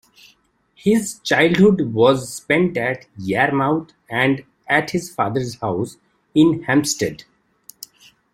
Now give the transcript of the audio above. His childhood was spent at Yarmouth and at his father's house in Hampstead.